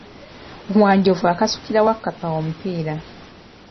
Wanjovu akasukira Wakkapa omupiira.